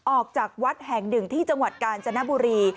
ออกจากวัดแห่งหนึ่งที่จังหวัดกาญจนบุรี